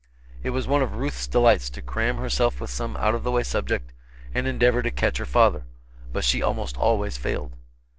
It was one of Ruth's delights to cram herself with some out of the way subject and endeavor to catch her father; but she almost always failed.